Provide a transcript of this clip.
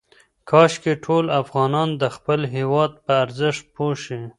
کاشکې ټول افغانان د خپل هېواد په ارزښت پوه شي.